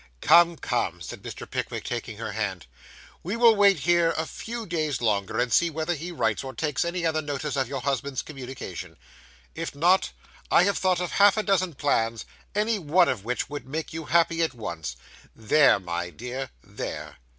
'Come, come,' said Mr. Pickwick taking her hand, 'we will wait here a few days longer, and see whether he writes or takes any other notice of your husband's communication. If not, I have thought of half a dozen plans, any one of which would make you happy at once. There, my dear, there!